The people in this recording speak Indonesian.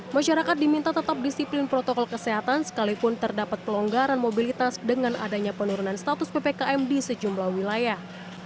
masyarakat diminta tetap disiplin protokol kesehatan sekalipun terdapat pelonggaran mobilitas dengan adanya penurunan status ppkm di sejumlah wilayah